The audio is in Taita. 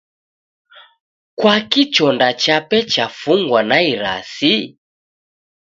Kwaki chonda chape chafungwa na irasi?